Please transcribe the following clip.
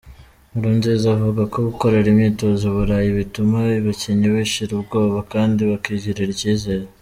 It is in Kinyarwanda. Nkurunziza avuga ko gukorera imyitozo i Burayi bituma abakinnyi bashira ubwoba kandi bakigirira icyizere.